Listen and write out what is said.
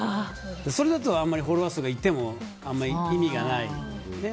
それだとあんまりフォロワー数がいってもあんまり意味がないね。